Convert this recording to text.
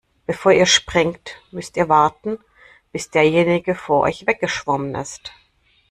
Bevor ihr springt, müsst ihr warten, bis derjenige vor euch weggeschwommen ist.